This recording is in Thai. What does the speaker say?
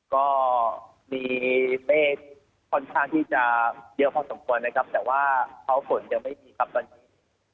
ก็มีเมฆค่อนข้างที่จะเยอะพอสมควรนะครับแต่ว่าเขาฝนยังไม่มีครับตอนนี้